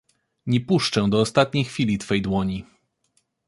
Nie puszczę do ostatniej chwili twej dłoni.